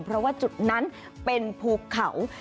เพราะว่าจุดนั้นเป็นภูเขา